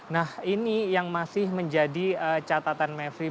nah ini yang masih menjadi catatan mevri